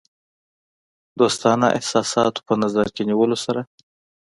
دوستانه احساساتو په نظر کې نیولو سره.